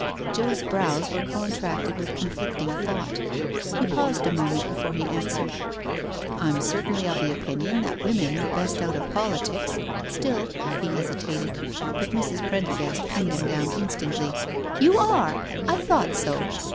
Joe's brows were contracted with conflicting thought. He paused a Xnoment before he answered : "I'm certainly of the opinion that women are best out of politics — still " he hesitated, but Mrs. Pren dergast pinned him down instantly: THE DINNER PARTY 227 *' You are I I thought so.